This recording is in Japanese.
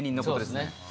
そうですね。